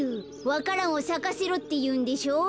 わか蘭をさかせろっていうんでしょう。